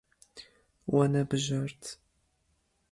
We nebijart.